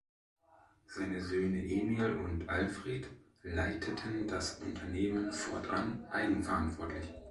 Seine Söhne Emil und Alfred leiteten das Unternehmen fortan eigenverantwortlich.